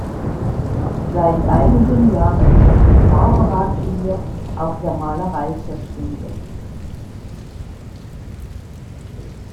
Seit einigen Jahren hat sich Barbara Clear auch der Malerei verschrieben.